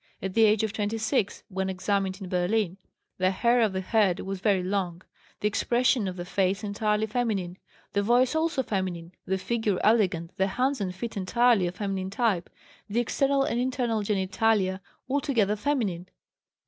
At the age of 26, when examined in Berlin, the hair of the head was very long, the expression of the face entirely feminine, the voice also feminine, the figure elegant, the hands and feet entirely of feminine type, the external and internal genitalia altogether feminine.